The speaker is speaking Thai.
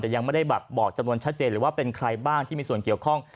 แต่ยังไม่ได้แบบบอกจำนวนชัดเจนหรือว่าเป็นใครบ้างที่มีส่วนเกี่ยวข้อง